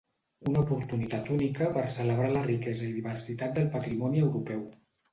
Una oportunitat única per celebrar la riquesa i diversitat del patrimoni europeu.